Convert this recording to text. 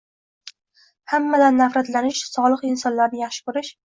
Hammadan nafratlanish – solih insonlarni yaxshi ko‘rish